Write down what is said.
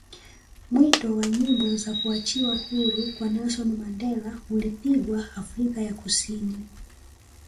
mwito wa nyimbo za kuachiwa huru kwa Nelson Mandela ulipigwa Afrika ya kusini